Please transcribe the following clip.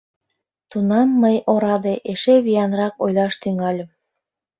Тунам мый, ораде, эше виянрак ойлаш тӱҥальым...